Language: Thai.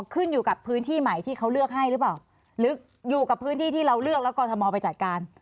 ขึ้นอยู่กับพื้นที่ใหม่ที่เขาเลือกให้หรือเปล่าหรืออยู่กับพื้นที่ที่เราเลือกแล้วกรทมไปจัดการ